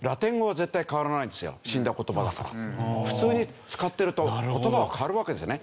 普通に使っていると言葉は変わるわけですよね。